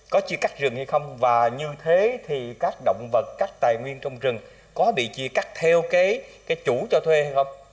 có chia cắt rừng hay không và như thế thì các động vật các tài nguyên trong rừng có bị chia cắt theo cái chủ cho thuê hay không